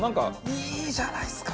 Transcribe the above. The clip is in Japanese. いいじゃないですか。